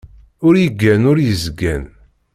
Ur yeggan ur yesgan.